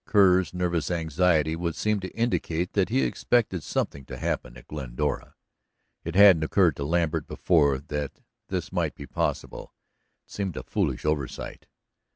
Kerr's nervous anxiety would seem to indicate that he expected something to happen at Glendora. It hadn't occurred to Lambert before that this might be possible. It seemed a foolish oversight.